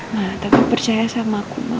ma tapi percaya sama aku ma